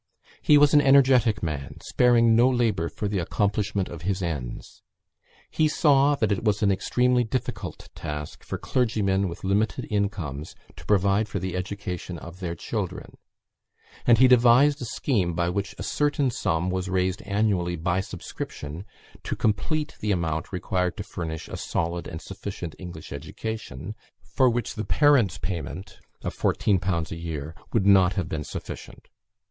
He was an energetic man, sparing no labour for the accomplishment of his ends. He saw that it was an extremely difficult task for clergymen with limited incomes to provide for the education of their children; and he devised a scheme, by which a certain sum was raised annually by subscription, to complete the amount required to furnish a solid and sufficient English education, for which the parent's payment of 14_l_. a year would not have been sufficient.